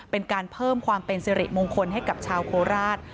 เป็นการเพิ่มความเป็นสิริมงคลให้กับชาวโคราช